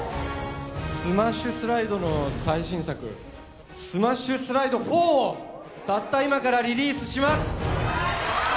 スマッシュスライドの最新作スマッシュスライド４をたった今からリリースします